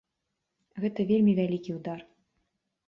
Гэта вельмі вялікі ўдар.